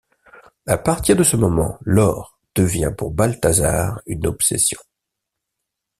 À partir de ce moment, l'or devient pour Balthazar une obsession.